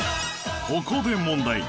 ここで問題